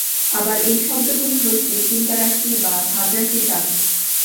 আবার এই শব্দগুলি হইতে চিন্তারাশি বা ভাবরাশি জাত।